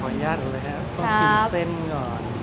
ต้องฉูกเส้นก่อน